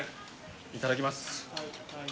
いただきます。